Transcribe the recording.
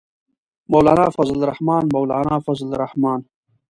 مولانا فضل الرحمن، مولانا فضل الرحمن.